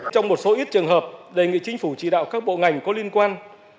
trong một số ít trường hợp đề nghị chính phủ chỉ đạo các bộ ngành có liên quan